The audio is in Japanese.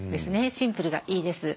シンプルがいいです。